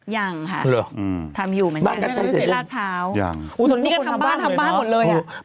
ยังค่ะทำอยู่เหมือนกันราดเภาอุ้ยนี่ก็ทำบ้านหมดเลยอ่ะอุ้ย